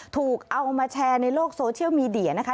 ถูกเอามาแชร์ในโลกโซเชียลมีเดียนะคะ